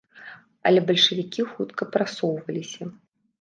Але бальшавікі хутка прасоўваліся.